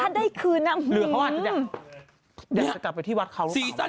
ถ้าได้คืนน้ำนิ้วหรือเพราะว่าจะได้กลับไปที่วัดเขาหรือเปล่า